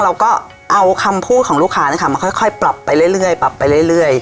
เราก็เอาคำพูดของลูกค้านะคะมาค่อยปรับไปเรื่อยปรับไปเรื่อย